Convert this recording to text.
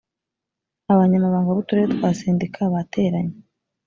abanyamabanga b’uturere twa sendika bateranye